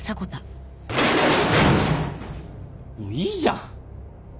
もういいじゃん。